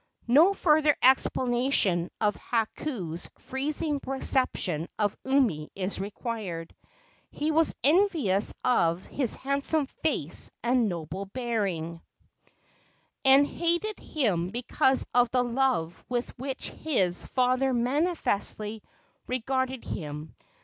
No further explanation of Hakau's freezing reception of Umi is required. He was envious of his handsome face and noble bearing, and hated him because of the love with which his father manifestly regarded him.